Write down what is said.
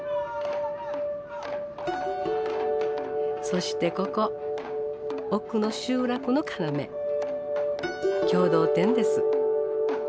そしてここ奥の集落の要共同店です。